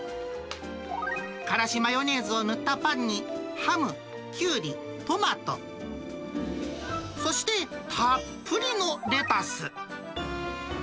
からしマヨネーズを塗ったパンに、ハム、キュウリ、トマト、そして、たっぷりのレタス。